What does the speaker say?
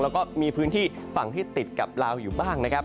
แล้วก็มีพื้นที่ฝั่งที่ติดกับลาวอยู่บ้างนะครับ